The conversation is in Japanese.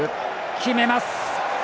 決めます。